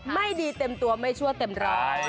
ไม่ดีเต็มตัวไม่ชั่วเต็มร้อย